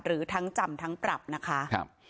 หรือทั้งจำทั้งปรับนะคะ